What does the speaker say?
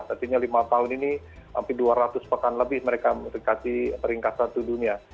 artinya lima tahun ini hampir dua ratus pekan lebih mereka mendekati peringkat satu dunia